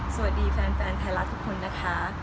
สวัสดีแฟนไทยรัฐทุกคนนะคะ